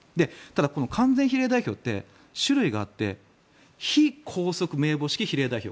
ただ、この完全比例代表って種類があって非拘束名簿式比例代表